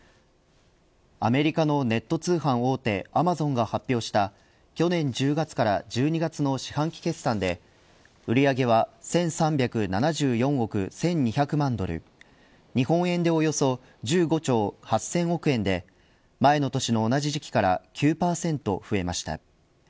アメリカのネット通販大手アマゾンが発表した去年１０月から１２月の四半期決算で売り上げは１３７４億１２００万ドル日本円でおよそ１５兆８０００億円で前の年の同じ時期から９％増えました。